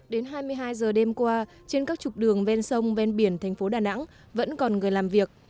đến hai mươi hai giờ đêm qua trên các trục đường ven sông ven biển thành phố đà nẵng vẫn còn người làm việc